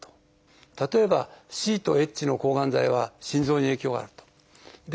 例えば「Ｃ」と「Ｈ」の抗がん剤は心臓に影響があると。